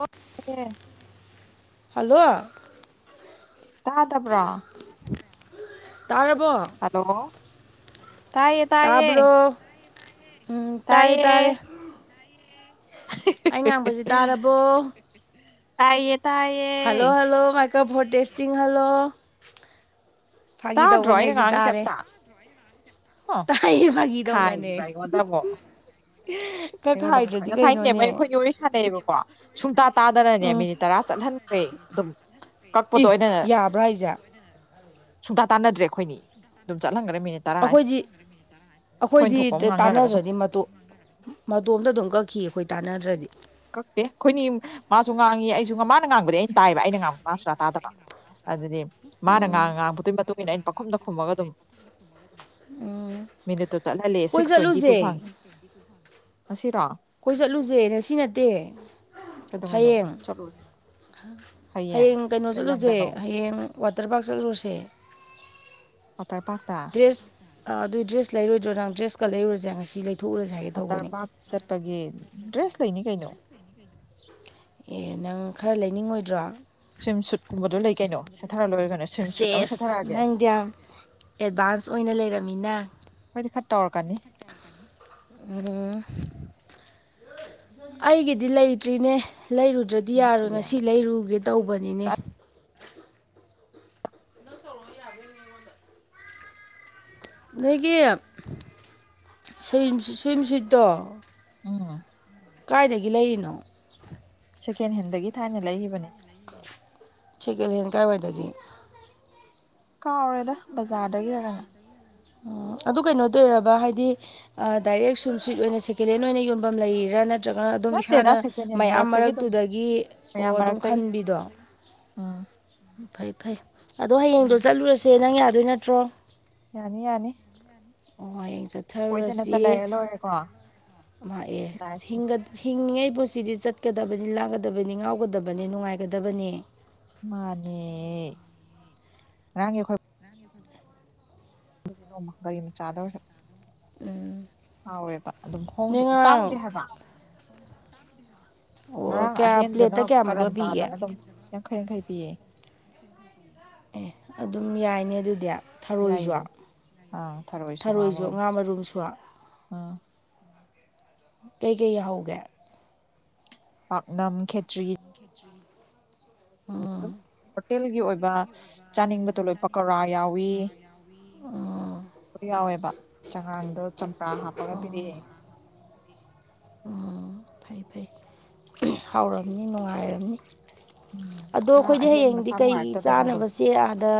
Of ꯍ hello ꯇꯥ ꯇꯕ꯭ꯔꯥ ꯇꯥꯔꯔꯕꯣ ꯍꯜꯂꯣ ꯇꯥꯏꯌꯦ ꯇꯥꯏꯌꯦ ꯇꯥꯕ꯭ꯔꯣ ꯎꯝ ꯇꯥꯔꯦ ꯇꯥꯏꯌꯦ ꯇꯥꯔꯦ ꯑꯩ ꯉꯥꯡꯕꯁꯤ ꯇꯥꯔꯕꯣ ꯑꯥꯏ ꯌꯦ ꯇꯑ ꯍꯜꯂꯣ ꯍꯜꯂꯣ ꯃꯥꯏꯀ ꯐꯣꯦꯁꯇ ꯍꯜꯂꯣ ꯐꯥꯒꯤ ꯇꯥꯗ꯭ꯔꯣ ꯇꯧꯕꯅꯦ ꯑꯩꯅ ꯑꯩꯁꯨ ꯉꯉꯥꯡꯉꯤꯁꯦ ꯇꯥꯔꯦ ꯍꯞꯇꯥ ꯇꯥꯏꯌꯦ ꯐꯒꯤꯗꯧ ꯃꯅꯦ ꯈꯥꯏꯔꯤꯕ ꯑꯩꯉꯣꯟꯗ ꯑꯃꯨꯛ ꯑꯩꯉꯣꯟꯗ ꯑꯃ ꯉꯁꯥꯏꯅꯦꯦꯝꯃ ꯑꯩꯈꯣꯏ ꯋꯥꯔꯤ ꯁꯥꯟꯅꯩꯌꯦꯕꯀꯣ ꯁꯨꯡꯇꯥ ꯇꯥꯗꯅꯅꯦ ꯎꯝ ꯃꯤꯅꯤꯠ ꯇꯔꯥ ꯆꯠꯍꯟꯈ꯭ꯔꯦ ꯑꯗꯨꯕꯨ ꯏ ꯌꯥꯕ꯭ꯔꯥ ꯑꯩꯁꯦ ꯁꯨꯡꯇꯥ ꯇꯥꯟꯅꯗ꯭ꯔꯦ ꯑꯩꯈꯣꯏꯅꯤ ꯑꯗꯨꯝ ꯆꯠꯍꯟꯈ꯭ꯔꯦ ꯃꯤꯅꯤꯠ ꯇꯔꯥ ꯍꯥꯏꯅ ꯑꯩꯈꯣꯏꯗꯤ ꯑꯩꯈꯣꯏꯅ ꯑꯩꯈꯣꯏꯗꯤ ꯊꯣꯛꯄ ꯑꯃ ꯉꯥꯡꯅꯔꯒ ꯑꯗꯨꯝ ꯇꯥꯟꯅꯖ꯭ꯔꯗꯤ ꯃꯇꯨ ꯃꯇꯣꯝꯇ ꯑꯗꯨꯝ ꯀꯛꯈꯤ ꯑꯩꯈꯣꯏ ꯇꯥꯟꯅꯗ꯭ꯔꯗꯤ ꯀꯛꯇꯦ ꯑꯩꯈꯣꯏꯅꯤ ꯃꯥꯁꯨ ꯉꯥꯡꯉꯤ ꯑꯩꯁꯨ ꯉ ꯃꯥꯅ ꯉꯥꯡꯕꯗꯤ ꯑꯩꯅ ꯇꯥꯏꯑꯕ ꯑꯩꯅ ꯉꯥꯡꯕꯁꯦ ꯃꯥꯁꯨꯥ ꯇꯥꯗꯕ ꯑꯗꯨꯗꯤ ꯃꯥꯅ ꯉꯥꯡ ꯉꯥꯡꯉꯕꯗꯨꯒꯤ ꯃꯇꯨꯡ ꯏꯟꯅ ꯑꯩꯅ ꯄꯥꯈꯨꯝꯗ ꯈꯨꯝꯃꯒ ꯑꯗꯨꯝ ꯃꯤꯅꯤꯠꯇꯨ ꯆꯠꯍꯜꯂꯦ ꯀꯣꯏ ꯁꯤꯛꯁ ꯇ꯭ꯋꯦꯟꯇꯤ ꯇꯨ ꯆꯠꯂꯨꯁꯦ ꯐꯪ ꯑꯁꯤꯁꯤꯔꯣ ꯑꯩꯈꯣꯏ ꯆꯠꯂꯨꯁꯦ ꯉꯁꯤ ꯅꯠꯇꯦ ꯀꯩꯗꯧꯉꯩꯅꯣ ꯍꯌꯦꯡ ꯆꯠꯂꯨꯔꯦ ꯍꯌꯦꯡ ꯀꯩꯅꯣ ꯀꯩ ꯆꯠꯂꯨꯁꯦ ꯂꯝꯗꯅꯣ ꯍꯌꯦꯡ ꯋꯥꯇꯔ ꯄꯥꯔꯛ ꯆꯠꯂꯨꯔꯁꯦ ꯋꯥꯇꯔ ꯄꯥꯛ ꯇ ꯏꯁ ꯑꯗꯨꯏ ꯗ꯭ꯔꯦꯁ ꯂꯩꯔꯣꯏꯗ꯭ꯔꯣ ꯅꯪ ꯗ꯭ꯔꯦꯁꯀ ꯂꯩꯔꯨꯔꯁꯦ ꯉꯁꯤ ꯂꯩꯊꯣꯛꯎꯔꯁꯦ ꯍꯥꯏꯒꯦ ꯇꯧꯕꯅꯦ ꯋꯥꯇꯔꯕꯄꯥꯛ ꯆꯠꯄꯒꯤ ꯗ꯭ꯔꯦꯁ ꯂꯩꯅꯤ ꯀꯩꯅꯣ ꯑꯦ ꯅꯪ ꯈꯔ ꯂꯩꯅꯤꯡꯉꯣꯏꯗ꯭ꯔꯣ ꯁ꯭ꯋꯤꯝ ꯁꯨꯠꯀꯨꯝꯕꯗꯣ ꯂꯩ ꯀꯩꯅꯣ ꯁꯦꯠꯊꯔ ꯂꯣꯏꯔꯦ ꯀꯩꯅꯣ ꯁ꯭ꯋꯤꯝ ꯁꯨꯠ ꯑꯃ ꯁꯦꯁ ꯁꯦꯠꯊꯔꯛꯑꯒꯦ ꯅꯪꯗꯤ ꯌꯥꯝ꯫ ꯑꯦꯗꯚꯥꯟꯁ ꯑꯣꯏꯅ ꯂꯩꯔꯃꯤꯅ ꯑꯈꯣꯏꯗꯤ ꯈꯥ ꯇꯧꯔꯀꯥꯅꯤ ꯎꯝ ꯑꯩꯒꯤꯗꯤ ꯂꯩꯇ꯭ꯔꯤꯅꯦ ꯂꯩꯔꯨ꯫ ꯗ꯭ꯔꯗꯤ ꯌꯥꯔꯣ ꯉꯁꯤ ꯂꯩꯔꯨꯒꯦ ꯇꯧꯕꯅꯤꯅꯦ꯫ ꯅꯣꯏꯒꯤ ꯁꯨꯨꯝ ꯁꯨꯏꯠꯇꯣ ꯎꯝ ꯀꯥꯏꯗꯒꯤ ꯂꯩꯔꯤꯅꯣ ꯁꯦꯀꯦꯟ ꯍꯦꯟꯗꯒꯤ ꯊꯥꯏꯅ ꯂꯩꯈꯤꯕꯅꯦ ꯁꯦꯀꯦꯟ ꯍꯦꯜ ꯀꯥꯏ ꯋꯥꯏꯗꯒꯤ ꯀꯥꯎꯔꯦꯗ ꯕꯖꯥꯔꯗꯒꯤꯔ ꯅꯪ꯫ ꯎꯝ ꯑꯗꯨ ꯀꯩꯅꯣꯇꯧꯔꯕ ꯍꯥꯏꯗꯤ꯫ ꯗꯥꯏꯔꯦꯛ ꯁꯨꯝ ꯁꯤꯠ ꯑꯣꯏꯅ ꯁꯦꯀꯦꯟ ꯍꯦꯟ ꯑꯣꯏꯅ ꯌꯣꯟꯐꯝ ꯂꯩꯔꯤꯔ ꯅꯠ ꯅꯠꯇ꯭ꯔꯒꯅ ꯑꯗꯨꯝ ꯅꯠꯇꯦꯗ ꯏꯁꯥꯅ ꯁꯦꯀꯦꯟ ꯍꯦꯟ ꯃꯌꯥꯝ ꯃꯔꯛꯇꯒꯤ ꯑꯗꯨꯝ ꯃꯔꯛꯇꯨꯗꯒꯤ ꯑꯣ ꯃꯌꯥꯝ ꯑꯗꯨꯝ ꯃꯔꯛꯇꯒꯤ ꯈꯟꯕꯤꯗꯣ ꯎꯝ꯫ ꯐꯩ ꯐꯩ ꯑꯗꯣ ꯍꯌꯦꯡꯗꯣ ꯆꯠꯂꯨꯔꯁꯦ ꯅꯪ ꯌꯥꯗꯣꯏ ꯅꯠꯇ꯭ꯔꯣ ꯌꯥꯅꯤ ꯌꯥꯅꯤ ꯑꯣ ꯍꯌꯦꯡ ꯆꯠꯊꯔꯨꯔꯁꯤ ꯀꯣꯏꯗꯅꯇ ꯂꯩꯔ ꯂꯣꯏꯔꯦꯀꯣ ꯃꯥꯥ ꯑꯦ ꯂꯥꯏꯐꯁꯦ ꯁꯤꯡꯒ꯫ ꯍꯤꯡꯂꯤꯉꯩ ꯄꯨꯟꯁꯤꯗꯤ ꯆꯠꯀꯗꯕꯅꯤ ꯂꯥꯡꯒꯗꯕꯅꯤ ꯉꯥꯎꯒꯗꯕꯅꯤ ꯅꯨꯡꯉꯥꯏꯒꯗꯕꯅꯤ꯫ ꯃꯥꯅꯦ ꯉꯔꯥꯡꯗꯤ ꯑꯈꯣꯏ ꯆꯠꯂꯨꯁꯦ ꯅꯣꯡꯃ ꯒꯥꯔꯤ ꯃꯆꯥꯗ ꯑꯣꯏꯔꯁꯨ ꯎꯝ꯫ ꯍꯥꯎꯋꯦꯕ ꯑꯗꯨꯝ ꯅꯣꯏ ꯍꯣꯡꯁꯨ ꯇꯥꯡꯗꯦ ꯉꯔꯥꯡ ꯍꯥꯏꯕ ꯑꯣ ꯉꯔꯥꯡ ꯀꯌꯥ ꯑꯍꯦꯟꯕꯅ ꯄ꯭ꯂꯦꯠꯇ ꯀꯌꯥꯃꯨꯛꯀ ꯀꯔꯟ ꯄꯤꯒꯦ ꯇꯥꯗꯅ ꯑꯗꯨꯝ ꯌꯥꯡꯈꯩ ꯌꯥꯡꯈꯩ ꯄꯤꯌꯦ꯫ ꯑꯦ ꯑꯗꯨꯝ ꯌꯥꯏꯅꯦ ꯑꯗꯨꯗꯤ꯫ ꯌꯥꯏꯌꯦ ꯊꯔꯣꯏꯖꫭ ꯑꯥ ꯊꯔꯣꯏꯁꯨ ꯉꯥ ꯃꯔꯨꯝꯁꯨ꯫ ꯎꯝ꯫ ꯀꯩ ꯀꯩ ꯌꯥꯎꯍꯧꯒꯦ꯫ ꯄꯥꯛꯅꯝ ꯈꯦꯠꯆꯔꯤ ꯎꯝ꯫ ꯑꯗꯨꯝ ꯍꯣꯇꯦꯜꯒꯤ ꯑꯣꯏꯕ ꯆꯥꯅꯤꯡꯕꯗꯣ ꯂꯣꯏ ꯄꯀꯧꯔꯥ ꯌꯥꯎꯋꯤ ꯑꯣ ꯌꯥꯎꯋꯦꯕ ꯆꯉꯥꯡꯗꯣ ꯆꯝꯄ꯭ꯔꯥ ꯍꯥꯞꯄꯒ ꯄꯤꯔꯛꯑꯦ ꯎꯝ ꯐꯩ ꯐꯩ ꯍꯥꯎꯔꯝꯅꯤ ꯅꯨꯡꯉꯥꯏꯔꯝꯅꯤ꯫ ꯎꯝ ꯑꯗꯣ ꯉꯔꯥꯡ ꯑꯈꯣꯏꯗꯤ ꯑꯍꯦꯟ ꯍꯌꯦꯡꯗꯤ ꯃꯁꯥ ꯀꯩ ꯅꯨꯡꯉꯥꯏꯔꯛꯇꯗꯅ ꯑꯗꯨꯝ ꯆꯥꯅꯕꯁꯦ ꯑꯥꯗ꯫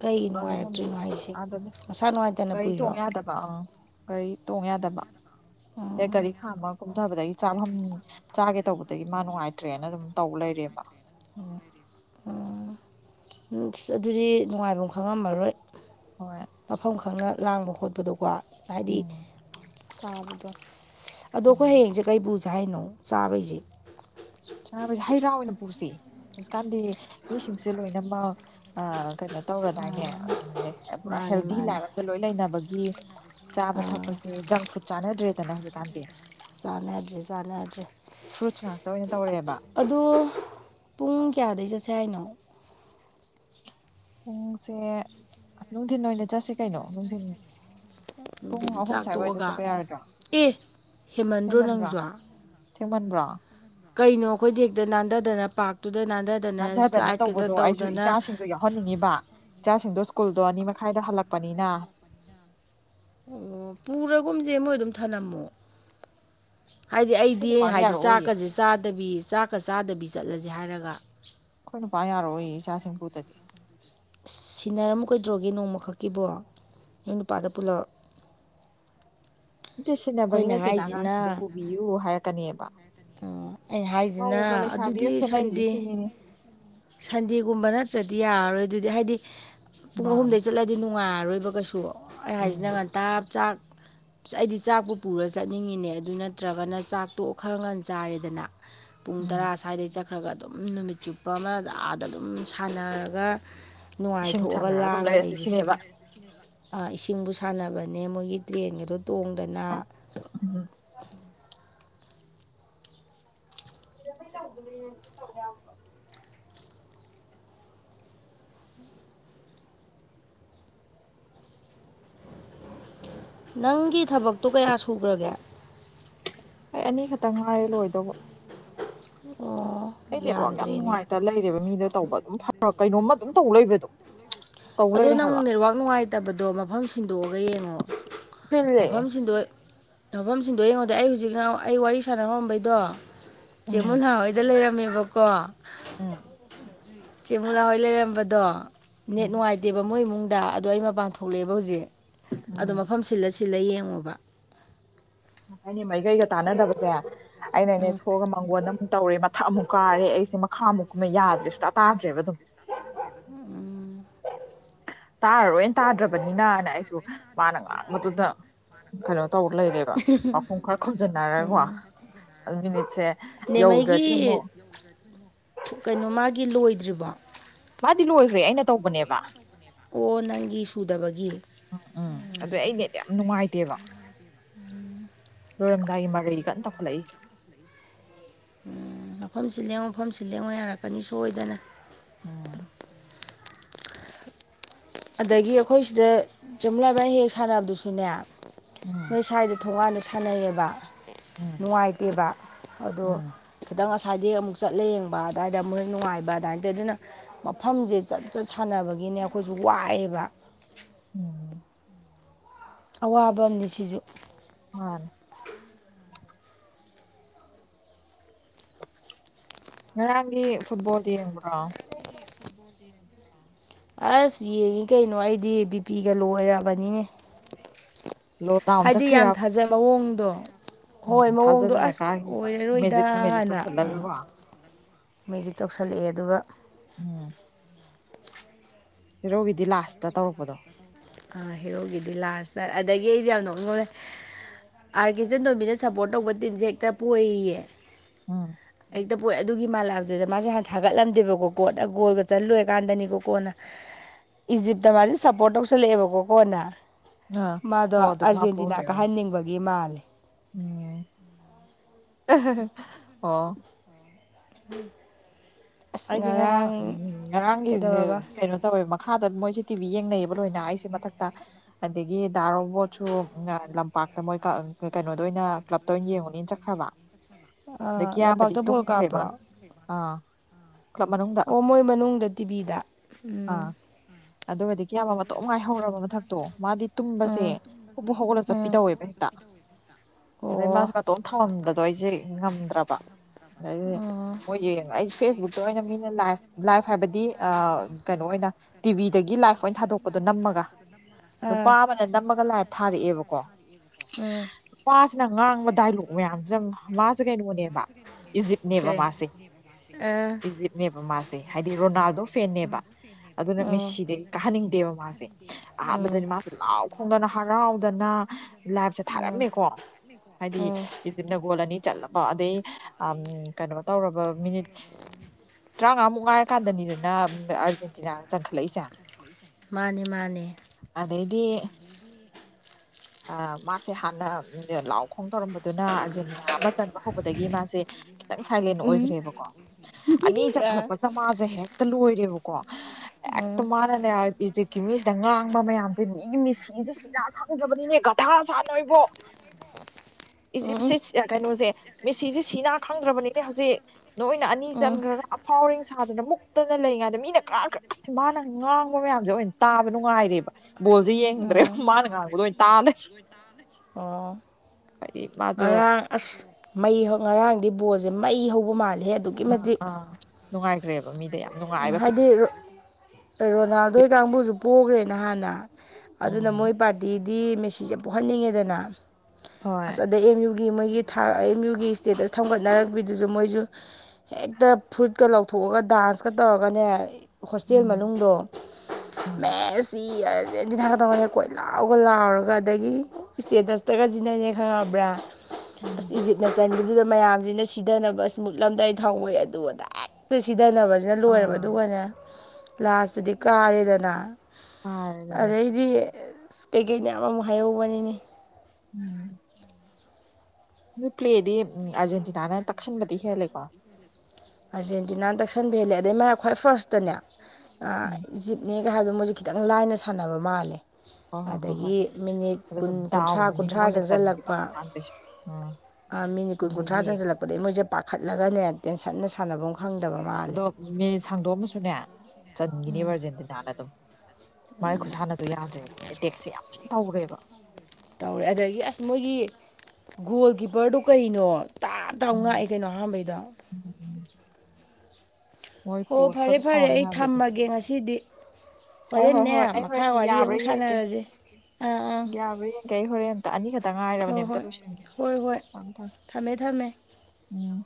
ꯀꯩꯒꯤ ꯑꯥ ꯅꯨꯡꯉꯥꯏꯔꯛꯇ꯭ꯔꯤꯅꯣ ꯍꯥꯏꯁꯦ ꯑꯥꯗꯗꯤ ꯃꯁꯥ ꯅꯨꯡꯉꯥꯏꯇꯅ ꯒꯥꯔꯤ ꯄꯨꯏꯔꯣ ꯇꯣꯡꯌꯥꯗꯝ꯫ ꯑ ꯒꯥꯔꯤ ꯇꯣꯡ ꯌꯥꯗꯕ ꯍꯦꯛ ꯒꯥꯔꯤ ꯈꯥꯝꯕꯒ ꯀꯨꯝ꯫ ꯆꯥꯕꯗꯒꯤ ꯆꯥꯐꯝ ꯆꯥꯒꯦ ꯇꯧꯕꯗꯒꯤ ꯃꯥ ꯅꯨꯡꯉꯥꯏꯇ꯭ꯔꯦꯅ ꯑꯗꯨꯝ ꯇꯧ ꯂꯩꯔꯦꯕ ꯎꯝ ꯑꯣ ꯑꯗꯨꯗꯤ ꯅꯨꯡꯉꯥꯏꯕꯝ ꯈꯪꯉꯝꯃꯔꯣꯏ꯫ ꯍꯣꯏ ꯃꯐꯝ ꯈꯪꯅ ꯂꯥꯡꯕ ꯈꯣꯠꯄꯗꯣꯀꯣ ꯍꯥꯏꯗꯤ ꯎꯝ ꯆꯥꯕꯗꯣ ꯑꯗꯣ ꯑꯈꯣꯏ ꯍꯌꯦꯡꯁꯦ ꯀꯩꯄꯨꯁꯦ ꯍꯥꯏꯅꯣ ꯆꯥꯕꯩꯁꯦ꯫ ꯆꯥꯕꯩꯖ ꯍꯩꯔꯥ ꯑꯣꯏꯅ ꯄꯨꯁꯦ ꯍꯧꯖꯤꯛꯀꯥꯟꯗꯤ ꯃꯤꯁꯤꯡꯁꯦ ꯂꯣꯏꯅꯃꯛ ꯑ ꯀꯩꯅꯣ ꯇꯧꯔꯗꯥꯏꯅꯦ ꯄꯨꯔꯥ ꯃꯥꯅꯦ ꯍꯦꯜꯗꯤ ꯃꯥꯅꯦ ꯂꯥꯏꯞ ꯑꯃꯗ ꯂꯣꯏ ꯂꯩꯅꯕꯒꯤ ꯆꯥꯕ ꯊꯛꯄꯁ ꯖꯪ ꯐꯨꯗ ꯆꯥꯟꯅꯗ꯭ꯔꯦꯗꯅ ꯍꯧꯖꯤꯛꯀꯥꯟꯗꯤ꯫ ꯆꯥꯅꯗ꯭ꯔ‌ꯦ ꯆꯥꯅꯗ꯭ꯔ‌ꯦ꯫ ꯐ꯭ꯔꯨꯠꯁ ꯉꯥꯛꯇ ꯑꯣꯏꯅ ꯇꯧꯔꯦꯕ ꯑꯗꯣ ꯄꯨꯡ ꯀꯌꯥꯗꯩ ꯆꯠꯁꯦ ꯍꯥꯏꯅꯣ꯫ ꯄꯨꯡꯁꯦ ꯅꯨꯡꯊꯤꯟ ꯑꯣꯏꯅ ꯆꯠꯁꯦ ꯀꯩꯅꯣ ꯅꯨꯡꯊꯤꯟ꯫ ꯄꯨꯡ ꯑꯗꯨꯝ ꯑꯍꯨꯝ ꯆꯥꯛ ꯁ꯭ꯋꯥꯏ ꯋꯥꯏꯗ ꯇꯣꯛꯑꯒ ꯆꯠꯄ ꯌꯥꯔꯣꯏꯗ꯭ꯔꯣ ꯑꯦ ꯍꯦꯃꯟꯗ꯭ꯔꯣ ꯊꯦꯡꯃꯟꯕ꯭ꯔꯥ ꯅꯪꯁꯨ ꯊꯦꯡꯃꯟꯕ꯭ꯔꫭ꯫ ꯀꯩꯅꯣ ꯑꯈꯣꯏꯗꯤ ꯍꯦꯛꯇ ꯅꯥꯟꯗꯗꯅ ꯄꯥꯛꯛꯇꯨꯗ ꯅꯥꯟꯗ ꯅꯥꯟꯊꯗꯅ ꯇꯧꯕꯗꯣ ꯑꯩꯁꯨ ꯏꯆꯥꯁꯤꯡꯗꯣ ꯌꯥꯎ ꯍꯟꯅꯤꯡꯉꯤꯕ ꯏꯆꯥꯁꯤꯡꯗꯣ ꯁ꯭ꯀꯨꯜꯗꯣ ꯑꯅꯤ ꯃꯈꯥꯏꯗ ꯍꯜꯂꯛꯄꯅꯤꯅ ꯑꯣ ꯄꯨꯔꯒꯨꯝꯖꯦ ꯃꯣꯏ ꯑꯗꯨꯝ ꯊꯅꯝꯃꯣ ꯍꯥꯏꯗꯤ ꯑꯩꯈꯣꯏ ꯑꯩꯗꯤ ꯑꯩꯅ ꯅꯨꯄꯥꯅ ꯍꯥꯏꯗꯤ ꯌꯥꯔꯛꯑꯣꯏꯌꯦ ꯆꯥꯛꯀꯁꯦ ꯆꯥꯗꯕꯤ ꯆꯥꯛꯀ ꯆꯥꯗꯕꯤ ꯆꯠꯂꯖꯦ ꯍꯥꯏꯔꯒ꯫ ꯑꯈꯣꯏ ꯅꯨꯄꯥ ꯌꯥꯔꯛ ꯑꯣꯏꯌꯦ ꯏꯆꯥꯁꯤꯡ ꯄꯨꯗꯗꯤ ꯏꯁ ꯁꯤꯟꯅꯔꯝꯃꯨ ꯀꯩꯗꯧꯔꯒꯦ ꯅꯣꯡꯃꯈꯛꯀꯤꯕꯣ ꯅꯪ ꯅꯨꯄꯥꯗ ꯄꯨꯂꯞ꯫ [inaudible] ꯅꯠꯇꯦ ꯁꯤꯟꯅꯕꯒꯤ ꯑꯩꯈꯣꯏꯅ ꯅꯠꯇꯦꯗ ꯍꯥꯏꯁꯤꯅ ꯑꯉꯥꯡꯁꯤꯡꯗꯣ ꯄꯨꯕꯤꯌꯨ ꯍꯥꯏꯔꯛꯀꯅꯦꯕ ꯑꯢ ꯑꯩꯅ ꯍꯥꯏꯖꯤꯅ ꯃꯧꯒ ꯑꯗꯨꯗꯤ ꯂꯩꯁꯥꯕꯤꯒ ꯈꯦꯠꯅꯩꯁꯦ ꯁꯟꯗꯦ ꯁꯤꯅꯤꯅꯦ ꯁꯟꯗꯦꯒꯨꯝꯕ ꯅꯠꯇ꯭ꯔꯗꯤ ꯌꯥꯔꯔꯣꯏ ꯑꯗꯨꯗꯤ ꯍꯥꯏꯗꯤ ꯄꯨꯡ ꯑꯍꯨꯝ ꯃꯥꯅꯦ ꯆꯠꯂ ꯗꯤ ꯅꯨꯡꯉꯥꯏꯔꯔꯣꯏꯕ ꯀꯩꯁꯨ ꯑꯩ ꯍꯥꯏꯖꯤꯅ ꯎꯝ ꯉꯟꯇ ꯆꯥꯛ ꯑꯩꯗꯤ ꯆꯥꯛꯄꯨ ꯄꯨꯔ ꯆꯠꯅꯤꯡꯉꯤꯅꯦ ꯑꯗꯨ ꯅꯠꯇ꯭ꯔꯒꯅ ꯆꯥꯛꯇꯣ ꯈꯔ ꯉꯟ ꯆꯥꯔꯦꯗꯅ ꯄꯨꯡ ꯎꯝ ꯇꯔꯥ ꯁ꯭ꯋꯥꯏꯗꯩ ꯆꯛ ꯈꯔꯒ ꯑꯗꯨꯝ ꯅꯨꯃꯤꯠ ꯆꯨꯞꯄ ꯑꯃ ꯑꯥꯗ ꯑꯗꯨꯝ ꯁꯥꯟꯅꯔꯒ ꯏꯁꯤꯡ ꯅꯨꯡꯉꯥꯏꯊꯣꯛꯑꯒ ꯁꯥꯟꯅꯔꯒ ꯑꯗꯨꯝ ꯂꯥꯡꯉ ꯂꯩꯔꯁꯤ ꯂꯩꯖꯦ ꯁꯤꯅꯦꯕ ꯁꯤꯅꯤ ꯑ ꯏꯁꯤꯡꯕꯨ ꯁꯥꯟꯅꯕꯅꯦ ꯃꯣꯏꯒꯤ ꯇ꯭ꯔꯦꯟꯒꯗꯣ ꯇꯣꯡꯗꯅ ꯎꯝ꯫ [unintelligible] ꯅꯪꯒꯤ ꯊꯕꯛꯇꯣ ꯀꯌꯥ ꯁꯨꯒ꯭ꯔꯥꯒꯦ ꯑꯩ ꯑꯅꯤ ꯈꯛꯇ ꯉꯥꯏꯔꯦ ꯂꯣꯏꯗꯧꯕ ꯑꯣ... ꯑꯩ ꯅꯦꯠꯋꯥꯛ ꯌꯥꯝ ꯌꯥꯝꯗ꯭ꯔꯦꯅꯦ ꯅꯨꯡꯉꯥꯏꯇ ꯂꯩꯔꯦꯕ ꯃꯤꯗ ꯇꯧꯕ ꯑꯗꯨꯝ ꯀꯩꯅꯣꯝꯃ ꯑꯗꯨꯝ ꯇꯧ ꯂꯩꯕꯗꯣ ꯇꯧ ꯑꯗꯣ ꯂꯩꯔꯦ ꯍꯥꯏꯕ ꯅꯪ ꯅꯦꯠꯋꯥꯛ ꯅꯨꯡꯉꯥꯏꯇꯕꯗꯣ ꯃꯐꯝ ꯁꯤꯟꯗꯣꯛꯑꯒ ꯌꯦꯡꯉꯣ꯫ ꯐꯤꯜꯂꯛꯑꯦ ꯃꯐꯝ ꯁꯤꯟꯗꯣꯛꯑ ꯃꯐꯝ ꯁꯤꯟꯗꯣꯛꯑ ꯌꯦꯡꯉꯣꯗꯤ ꯑꯩ ꯍꯧꯖꯤꯛꯅ ꯑꯩ ꯋꯥꯔꯤ ꯁꯥꯟꯅꯕ ꯍꯧꯔꯝꯕꯩꯗꯣ ꯆꯦ ꯎꯝ ꯃꯣꯅꯥ ꯍꫭꯏ ꯗ ꯂꯩꯔꯝꯃꯦꯕꯀꯣ꯫ ꯎꯝ ꯆꯦꯃꯣꯅꯥ ꯍꯣꯏ ꯂꯩꯔꯝꯕꯗꯣ ꯅꯦꯠ ꯎꯝ ꯅꯨꯡꯉꯥꯏ ꯏꯃꯨꯡꯗ ꯑꯗꯣ ꯑꯩ ꯃꯄꯥꯟ ꯊꯣꯛꯂꯛꯑꯦꯕ ꯍꯧꯖꯤꯛ ꯑꯗꯣ ꯎꯝ ꯃꯐꯝ ꯁꯤꯜꯂ ꯁꯤꯜꯂ ꯌꯦꯡꯉꯣꯕ꯫ ꯥꯉꯁꯥꯏꯅꯦ ꯃꯥꯏꯒꯩꯒ ꯇꯥꯟꯅꯗꯕꯁꯦ ꯑꯩꯅꯅꯦ ꯎꯝ ꯊꯣꯛꯑꯒ ꯃꯥꯡꯒꯣꯟꯗ ꯇꯧꯔꯦ ꯃꯊꯛ ꯑꯃꯨꯛ ꯀꯥꯔꯦ ꯑꯩꯁꯦ ꯃꯈꯥꯃꯨꯛ ꯀꯨꯝꯃ‌ꯦ ꯌꯥꯗ꯭ꯔꯦ ꯁꯨꯇꯥ ꯇꯥꯗ꯭ꯔꯦꯕ ꯑꯗꯨꯝ꯫ ꯎꯝ ꯇꯥꯔꯔꯣꯏ ꯇꯥꯗ꯭ꯔꯕꯅꯤꯅꯅ ꯑꯩꯁꯨ ꯃꯥꯅ ꯉꯥꯡꯕꯗꯨꯗ ꯀꯩꯅꯣ ꯇꯧ ꯂꯩꯔꯦꯕ ꯄꯥꯎꯈꯨꯝ ꯈꯔ ꯈꯨꯝꯝꯖꯟꯅꯔꯒꯀꯣ ꯎꯝ ꯑꯗꯨ ꯃꯤꯅꯤꯠꯁꯦ ꯌꯧꯗ꯭ꯔꯗꯤ ꯅꯦꯝꯃꯩꯒꯤ ꯑꯃꯨꯛ ꯀꯩꯅꯣ ꯃꯥꯒꯤ ꯂꯣꯏꯗ꯭ꯔꯤꯕꯣ ꯃꯥꯗꯤ ꯂꯣꯏꯒ꯭ꯔꯦ ꯑꯩꯅ ꯇꯧꯕꯅꯦꯕ ꯑꯣ ꯅꯪꯒꯤ ꯁꯨꯗꯕꯒꯤ꯫ ꯎꯝ ꯎꯝ ꯑꯗꯨ ꯑꯩ ꯅꯦꯠ ꯌꯥꯝ ꯅꯨꯡꯉꯥꯏꯇꯦꯕ꯫ ꯂꯣꯏꯔꯝꯗꯥꯏꯒꯤ ꯃꯔꯩ ꯀꯟꯅ ꯇꯧꯈꯠꯂꯛꯏ ꯎꯝ ꯃꯐꯝ ꯁꯤꯜꯂ ꯌꯦꯡꯉꯣ ꯃꯐꯝ ꯁꯤꯜꯂ ꯌꯦꯡꯉꯣ ꯌꯥꯔꯛꯀꯅꯤ ꯁꯣꯏꯗꯅ꯫ ꯎꯝ ꯑꯗꯒꯤ ꯑꯈꯣꯏ ꯁꯤꯗ ꯆꯝꯂꯕ ꯍꯦꯛ ꯍ‌ꯦꯛ ꯁꯥꯟꯅꯕꯗꯨꯁꯨꯅꯦ ꯎꯝ ꯅꯣꯏ ꯁ꯭ꯋꯥꯏꯗ꯫ ꯊꯣꯡꯉꯥꯟꯅ ꯁꯥꯟꯅꯩꯌꯦꯕ ꯎꯝ ꯅꯨꯡꯉꯥꯏꯇꯦꯕ ꯑꯗꯣ ꯎꯝ ꯈꯤꯇꯪ ꯍꯥꯏꯗꯤ ꯑꯃꯨꯛ ꯆꯠꯂ ꯌꯦꯡꯕ ꯑꯗꯥꯏꯗ ꯃꫭꯏ ꯅꯨꯡꯉꯥꯏꯕ ꯑꯗꯨꯏꯟ ꯇꯧꯋ‌ꯦ ꯑꯗꯨꯅ꯫ ꯃꯐꯝꯁꯦ ꯆꯠ ꯆꯠ ꯁꯥꯟꯅꯕꯒꯤꯅꯦ ꯑꯈꯣꯏꯁꯨ ꯋꯥꯏꯑꯦꯕ꯫ ꯎꯝ꯫ ꯑꯋꯥꯕ ꯑꯝꯅꯤꯁꯤꯁꯨ꯫ ꯃꯥꯅꯦ ꯉꯔꯥꯡꯒꯤ ꯐꯨꯠꯕꯣꯜꯗꯨ ꯌꯦꯡꯕ꯭ꯔꯣ꯫ ꯑꯁ ꯌꯦꯡꯉꯤ ꯀꯩꯅꯣ ꯑꯩꯗꯤ ꯕꯤꯄꯤꯒ ꯂꯣ ꯑꯣꯏꯔꯕꯅꯤꯅꯦ ꯂꯣ ꯗꯥꯎꯟ ꯍꯥꯏꯗꯤ ꯌꯥꯝ ꯆꯠꯈ꯭ꯔꯤꯔ ꯊꯥꯖ ꯃꯑꯣꯡꯗꯣ ꯎꯝ ꯍꯣꯏ ꯃꯑꯣꯡꯗꯣ ꯊꯥꯖꯗꯅ ꯑꯁ ꯀꯥꯈꯤꯕ ꯃꯦꯖꯤꯛꯅ ꯃꯦꯖꯤꯛ ꯑꯣꯏꯔꯔꯣꯏꯗꯅ ꯑꯥ ꯇꯧꯁꯜꯂꯒꯀꯣ ꯃꯦꯖꯤꯛ ꯇꯧꯁꯜꯂꯛꯑꯦ ꯑꯗꯨꯒ ꯎꯝ ꯍꯦꯔꯣꯒꯤꯗꯤ ꯂꯥꯁꯇ ꯇꯧꯔꯛꯄꯗꯣ ꯑ ꯍꯦꯔꯣꯒꯤꯗꯤ ꯂꯥꯁꯇ ꯑꯗꯒꯤ ꯑꯩꯗꯤ ꯌꯥꯝ ꯅꯣꯛꯅꯤꯡꯕ ꯑꯃ ꯂꯩ ꯑꯥꯔ ꯀꯦ ꯆꯟꯗꯣꯕꯤꯅ ꯁꯞꯄꯣꯔꯠ ꯇꯧꯕ ꯇꯤꯝꯁꯦ ꯍꯦꯛꯇ ꯄꯨꯌꯦ ꯎꯝ ꯍꯦꯛꯇ ꯄꯣꯏ ꯑꯗꯨꯒꯤ ꯃꯥꯜꯂꯛꯑꯁꯤꯗ ꯃꯥꯁꯦ ꯍꯥꯟꯅ ꯊꯥꯒꯠꯂꯝꯗꯦꯕꯀꯣ ꯀꯣꯟꯅ ꯒꯣꯜꯒ ꯆꯠꯂꯣꯏꯀꯥꯟꯗꯅꯤꯀꯣ ꯀꯣꯟꯅ ꯏꯖꯤꯞꯇ ꯃꯥꯗꯤ ꯁꯄꯣꯔꯠ ꯆꯜꯂꯛꯑꯦꯕꯀꯣ ꯀꯣꯟꯅ ꯑꯥ ꯃꯥꯗꯣ ꯍꯣ ꯑꯗꯨ ꯃꯥ ꯑꯥꯔꯖꯦꯟꯇꯤꯅꯥ ꯄꯣꯈ꯭ꯔꯦꯕ ꯀꯥꯍꯟꯅꯤꯡꯕꯒꯤ ꯃꯥꯜꯂꯦ ꯎꯝ ꯑꯣ ꯎꯝ [inaudible] ꯑꯩꯗꯤ ꯉꯥꯔꯥꯡꯒꯤ ꯀꯩꯗꯧꯔꯕ ꯀꯩꯅꯣ ꯇꯧꯋꯦ ꯃꯈꯥꯗ ꯃꯣꯏꯁꯦ ꯇꯤꯚꯤ ꯌꯦꯡꯅꯩꯌꯦꯕ ꯂꯣꯏꯅ ꯑꯩꯁꯦ ꯃꯊꯛꯇ ꯑꯗꯒꯤ ꯗꯥꯔꯣꯕꯣꯠꯁꯨ ꯂꯝꯄꯥꯛꯇ ꯃꯣꯏ ꯀꯩꯅꯣꯗ ꯑꯣꯏꯅ ꯀ꯭ꯂꯞꯇ ꯑꯣꯏꯅ ꯌꯦꯡꯉꯨꯅꯤꯅ ꯆꯠꯈ꯭ꯔꯕ ꯑ ꯑꯗꯩ ꯀꯤꯌꯥꯝꯕꯗꯤ ꯂꯝꯄꯥꯛꯇ ꯄꯣꯜ ꯇꯨꯝꯈ꯭ꯔꯦꯕ ꯀꯥꯞꯄ꯭ꯔꯣ ꯑꯥ ꯀ꯭ꯂꯕ ꯃꯅꯨꯡꯗ ꯑꯣ ꯃꯣꯏ ꯃꯅꯨꯡꯗ ꯇꯤꯕꯤꯗ ꯎꯝ ꯑꯥ ꯑꯗꯨꯒꯗꯤ ꯀꯌꯥꯝ ꯑꯃ ꯃꯇꯣꯛ ꯉꯥꯏꯍꯧꯔꯕ ꯃꯊꯛꯇꯣ ꯃꯥꯗꯤ ꯇꯨꯝꯕꯁꯦ ꯎꯝ ꯐꯨꯛ ꯐꯨꯛ ꯍꯧꯒꯠꯂꯒ ꯆꯠꯄꯤ ꯎꯝ ꯇꯧꯋꯦꯕ ꯍꯦꯛꯇ ꯑꯗꯩ ꯑꯣ ꯃꯥꯁꯦ ꯃꯇꯣꯝ ꯊꯝꯃꯝꯕꯗꯣ ꯑꯩꯁꯦ ꯉꯝꯗ꯭ꯔꯕ ꯎꯝ ꯃꯣꯏꯒꯤ ꯑꯩ ꯐꯦꯁꯕꯨꯛ ꯃꯤꯅ ꯂꯥꯏꯐ ꯂꯥꯏꯐ ꯍꯥꯏꯕꯗꯤ ꯑ ꯀꯩꯅꯣ ꯑꯣꯏꯅ ꯇꯤꯚꯤꯗꯒꯤ ꯂꯥꯏꯐ ꯑꯣꯏꯅ ꯊꯥꯗꯣꯛꯄꯗꯣ ꯅꯝꯃꯒ ꯅꯨꯄꯥ ꯑꯥ ꯑꯃꯅ ꯅꯝꯃꯒ ꯂꯥꯏꯐ ꯊꯥꯔꯛꯑꯦꯕꯀꯣ ꯎꯝ ꯅꯨꯄꯥꯁꯤꯅ ꯉꯥꯡꯕ ꯗꯥꯏꯂꯣꯛ ꯃꯌꯥꯝꯁꯦ ꯃꯥꯁꯦ ꯀꯩꯅꯣꯅꯦꯕ ꯏꯖꯤꯞꯅꯦꯕ ꯃꯥꯁꯦ ꯑ ꯏꯖꯤꯞꯅꯦꯕ ꯃꯥꯁꯦ ꯍꯥꯏꯗꯤ ꯔꯣꯅꯥꯜꯗꯣ ꯐꯦꯟꯅꯦꯕ ꯑꯗꯨꯅ ꯎꯝ ꯃꯦꯁꯤꯗꯤ ꯀꯥꯍꯟꯅꯤꯡꯗꯦꯕ ꯃꯥꯁꯦ ꯎꯝ ꯑꯍꯥꯟꯕꯗꯅꯤ ꯃꯥ ꯂꯥꯎ ꯈꯣꯡꯗꯅ ꯍꯔꯥꯎꯗꯅ ꯂꯥꯏꯐꯁꯦ ꯊꯥꯔꯝꯃꯦꯀꯣ ꯍꯥꯏꯗꯤ ꯎꯝ ꯏꯖꯤꯞꯅ ꯒꯣꯜ ꯑꯅꯤ ꯆꯜꯂꯕ ꯑꯗꯩ ꯑ ꯀꯩꯅꯣ ꯇꯧꯔꯕ ꯃꯤꯅꯤꯠ ꯉꯥꯃꯨꯛ ꯉꯥꯏꯔꯛꯀꯥꯟꯗꯅꯤꯗꯅ ꯑꯥꯔꯖꯦꯟꯇꯤꯅꯥꯅ ꯆꯪꯈꯠꯂꯛꯏꯁꯦ ꯃꯥꯅꯤ ꯃꯥꯅꯤ ꯑꯗꯩꯗꯤ ꯑ ꯃꯥꯁꯦ ꯍꯥꯟꯅ ꯂꯥꯎ ꯈꯣꯡ ꯇꯧꯔꯝꯕꯗꯨꯅ ꯑꯥꯔꯖꯦꯟꯇꯤꯅꯥ ꯑꯃ ꯆꯟꯕ ꯍꯧꯕꯗꯒꯤ ꯃꯥꯁꯦ ꯈꯤꯇꯪ ꯁꯥꯏꯂꯦꯟ ꯎꯝ ꯑꯣꯏꯈ꯭ꯔꯦꯕꯀꯣ ꯑꯅꯤ ꯍꯤꯍꯤꯍꯤ ꯑꯥ ꯆꯪꯈꯠꯂꯛꯄ ꯗ ꯃꯥꯥꯁꯦ ꯍꯦꯛꯇ ꯂꯣꯏꯔꯦꯕꯀꯣ ꯍꯦꯛꯇ ꯎꯝ ꯃꯥꯥꯟꯅꯅꯦ ꯏꯖꯤꯞꯀꯤ ꯃꯤꯁꯤꯗ ꯉꯥꯡꯕ ꯃꯌꯥꯝꯗꯒꯤ ꯅꯦ ꯒꯗꯥꯁꯥ ꯅꯣꯏꯕꯣ ꯎꯝ ꯏꯖꯤꯞꯁꯦ ꯁꯤꯗ ꯀꯩꯅꯣꯁꯦ ꯃꯦꯁꯤꯁꯦ ꯁꯤꯅꯥ ꯈꯪꯗ꯭ꯔꯕꯅꯤꯅꯦ ꯍꯧꯖꯤꯛ ꯅꯣꯏꯅ ꯑꯅꯤ ꯎꯝ ꯆꯟꯈ꯭ꯔꯒ ꯑꯐꯥꯎ ꯑꯔꯤꯡ ꯁꯥꯗꯅ ꯃꯨꯛꯇꯅ ꯂꯩꯔꯤꯉꯩꯗ ꯃꯤꯅ ꯀꯥꯈ꯭ꯔ ꯑꯁ ꯃꯥꯅ ꯉꯥꯡꯕ ꯃꯌꯥꯝꯁꯦ ꯑꯣꯏꯅ ꯇꯥꯕ ꯅꯨꯡꯉꯥꯏꯔꯦꯕ ꯕꯣꯜꯁꯦ ꯌꯦꯡꯗ꯭ꯔꯦ ꯎꯝ ꯃꯥꯅ ꯉꯥꯡꯕꯗꯣ ꯑꯣꯏꯅ ꯇꯥ ꯂꯩ [unintelligible] ꯑꯣ ꯍꯥꯏꯗꯤ ꯃꯥꯗꯣ ꯉꯔꯥꯡ ꯑꯁ ꯃꯩ ꯉꯔꯥꯡꯗꯤ ꯕꯣꯜꯁꯦ ꯃꯩ ꯍꯧꯕ ꯃꯥꯜꯂꯦ ꯑꯗꯨ ꯑꯥ ꯑꯥ ꯅꯨꯡꯉꯥꯏꯈ꯭ꯔꯦꯕ ꯃꯤꯗ ꯌꯥꯝ ꯅꯨꯡꯉꯥꯏꯕ ꯄ꯭ꯂꯦ- ꯍꯥꯏꯗꯤ ꯔꯣꯅꯥꯜꯗꯣꯏ ꯀꯥꯡꯕꯨꯁꯨ ꯄꯈ꯭ꯔꯦ ꯅꯍꯥꯟꯅ ꯑꯗꯨꯅ ꯎꯝ ꯃꯣꯏ ꯄꯥꯔꯇꯤꯗꯤ ꯃꯦꯁꯤꯁꯦ ꯄꯣꯛꯍꯟꯅꯤꯡꯉꯦꯗꯅ ꯍꯣꯏ ꯑꯁ ꯑꯗꯩ ꯑꯦꯝ ꯌꯨꯒꯤ ꯃꯣꯏꯒꯤ ꯊꯥ ꯑꯦꯝ ꯌꯨꯒꯤ ꯏꯁꯇꯦꯠꯇ ꯊꯝꯒꯠꯅꯔꯛꯄꯤꯗꯨꯁꯨ ꯃꯣꯏꯁꯨ ꯍꯦꯛꯇ ꯐꯨꯔꯤꯠꯀ ꯂꯧꯊꯣꯛꯑꯒ ꯗꯥꯟꯁ ꯇꯧꯔꯒꯅꯦ ꯍꯣꯁꯇꯦꯜ ꯎꯝ ꯃꯅꯨꯡꯗꯣ ꯎꯝ ꯃꯦ ꯁꯤ ꯐꯖꯦꯟ ꯇꯤꯟꯅꯒꯗꯧꯉꯁꯦ ꯀꯣꯏ ꯂꯥꯎꯒ ꯂꯥꯎꯔꯒ ꯑꯗꯒꯤ ꯏꯁꯇꯦꯇꯁꯇꯒ ꯁꯤꯖꯤꯟꯅꯅꯦ ꯈꯪꯉꯕ꯭ꯔꯥ ꯑꯁ ꯎꯝ ꯏꯖꯤꯠ ꯆꯟꯕꯗꯨꯗ ꯃꯌꯥꯝꯁꯤꯅ ꯁꯤꯗꯅꯕ ꯏꯁꯃꯨꯠꯂꯝꯗꯥꯏ ꯊꯥꯎꯉꯣꯏ ꯑꯗꯨꯗꯥꯏꯛꯇ ꯁꯤꯗꯅꯕ ꯁꯤꯅ ꯂꯣꯏꯔꯕ ꯑꯥ ꯑꯗꯨꯒꯅꯦ ꯂꯥꯁꯇꯨꯗꯤ ꯀꯥꯔꯦꯗꯅ ꯐꯔꯦꯅꯦ ꯑꯗꯩꯗꯤ ꯀꯩꯀꯩ ꯃꯌꯥꯝ ꯑꯃꯨꯛ ꯍꯥꯏꯍꯧꯕꯅꯤꯅꯦ [unintelligible] ꯄ꯭ꯂꯦꯗꯤ ꯑꯥꯔꯖꯦꯟꯇꯤꯅꯥꯅ ꯇꯛꯁꯤꯟꯕꯗꯤ ꯍꯦꯜꯂꯦꯀꯣ ꯑꯥꯔꯖꯦꯟꯇꯤꯅꯥ ꯇꯛꯁꯟꯕ ꯍꯦꯜꯂꯦ ꯑꯗꯩ ꯃꯥꯅ ꯈ꯭ꯋꯥꯏ ꯐꯥꯔꯁꯇꯅꯦ ꯑ ꯎꯝ ꯏꯖꯤꯞ ꯅꯦꯒ ꯍꯥꯏꯕꯗꯣ ꯃꯣꯏꯁꯨ ꯈꯤꯇꯪ ꯂꯥꯏꯅ ꯁꯥꯟꯅꯕ ꯃꯥꯜꯂꯦ ꯍꯣꯏ ꯍꯣꯏ ꯍꯣꯏ ꯍꯣꯏ ꯑꯗꯒꯤ ꯃꯤꯅꯤꯠ ꯑꯗꯨꯒ ꯀꯨꯟ ꯗꯥꯎꯗ ꯀꯨꯟꯊ꯭ꯔꯥ ꯃꯤꯅ ꯀꯨꯟꯊ꯭ꯔꯥ ꯃꯣꯏꯅ ꯆꯟꯈꯤꯕ ꯆꯪꯁꯤꯜꯂꯛꯄ ꯑꯍꯥꯟꯕꯩꯁꯨ ꯎꯝ ꯑ ꯃꯤꯅꯤꯠ ꯀꯨꯟ ꯀꯨꯟꯊ꯭ꯔꯥ ꯑꯗꯨꯗꯤ ꯆꯪꯁꯤꯜꯂꯛꯄꯗꯒꯤ ꯃꯣꯏꯁꯦ ꯄꯥꯈꯠꯂꯒꯅꯦ ꯇꯦꯟꯁꯟꯅ ꯁꯥꯟꯅꯕꯝ ꯐꯪꯗꯕ ꯃꯥ ꯑꯗꯣ ꯃꯤꯅꯤꯠ ꯁꯥꯡꯗꯣꯛꯑꯝꯃꯁꯨꯅꯦ ꯆꯟꯈꯤꯅꯦꯕ ꯑꯥꯔꯖꯦꯟꯇꯤꯅꯥꯅ ꯑꯗꯨꯝ ꯃꯥꯏ ꯈꯨꯠꯁꯥꯟꯅꯗꯣ ꯌꯥꯗ꯭ꯔꯦꯕ ꯑꯦꯇꯦꯛꯁꯦ ꯌꯥꯝ ꯊꯤꯅ ꯇꯧꯈ꯭ꯔꯦꯕ ꯇꯧꯔꯦ ꯑꯗꯒꯤ ꯑꯁ ꯃꯣꯏꯒꯤ ꯒꯣꯜ ꯀꯤꯞꯄꯔꯗꯨ ꯀꯩꯅꯣ ꯇꯥꯞ ꯇꯥꯞ ꯉꯥꯛꯑꯦ ꯀꯩꯅꯣ ꯑꯍꯥꯟꯕꯩꯗꯣ ꯃꯣꯏ ꯍꯣ ꯐꯔꯦ ꯀꯣꯁꯀꯗꯣ ꯐꯔꯦ ꯁꯥꯎꯔꯤ ꯑꯩ ꯃꯌꯥꯝꯗꯨꯗꯤ ꯊꯝꯃꯒꯦ ꯉꯁꯤꯗꯤ ꯍꯣꯏ ꯍꯣꯏ ꯍꯣꯔꯦꯟꯅꯦ ꯍꯣꯏ ꯑꯩ ꯃꯈꯥ ꯍꯣꯔꯦꯟꯗꯤ ꯋꯥꯔꯤ ꯌꯥꯕ꯭ꯔꯥ ꯑꯃꯨꯛ ꯌꯦꯡꯒꯦ ꯁꯥꯟꯅꯔꯁꯦ ꯑꯥ ꯑꯥ ꯌꯥꯕ꯭ꯔꯥ ꯌꯥꯡꯒꯦ ꯑꯩ ꯍꯣꯔꯦꯟ ꯑꯝꯇꯥ ꯑꯅꯤꯈꯛꯇ ꯍꯣꯏ ꯉꯥꯏꯔꯕꯅꯦ ꯍꯣꯏ ꯑꯝꯇ ꯂꯣꯏꯁꯤꯟꯒꯦ ꯍꯣꯏ ꯍꯣꯏ ꯊꯝꯃꯦ ꯊꯝꯃꯦ ꯊꯝꯃꯦ ꯊꯝꯃꯦ ꯎ